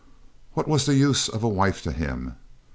What was the use of a wife to him?